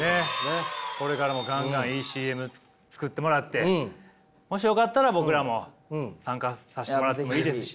これからもガンガンいいＣＭ作ってもらってもしよかったら僕らも参加させてもらってもいいですし。